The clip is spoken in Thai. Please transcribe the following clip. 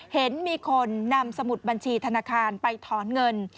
เห็นมีคนนำสมุดบัญชีธนาคารไปถอนเงิน